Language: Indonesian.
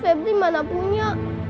febri mana punya